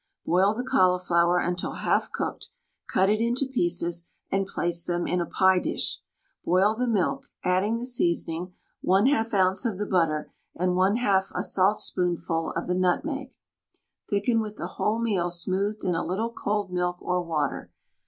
Boil the cauliflower until half cooked, cut it into pieces, and place them in a pie dish. Boil the milk, adding the seasoning, 1/2 oz. of the butter, and 1/2 a saltspoonful of the nutmeg. Thicken with the wholemeal smoothed in a little cold milk or water.